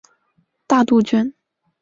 大杜鹃。